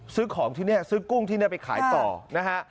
ซื้อของที่นี่ซื้อกุ้งที่นี่ไปขายต่อนะฮะ